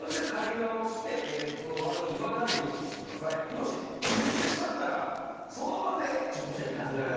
もし言ってしまったらその場でちょっとしたイタズラがあります。